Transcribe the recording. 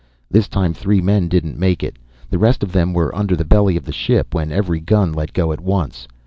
This time three men didn't make it. The rest of them were under the belly of the ship when every gun let go at once.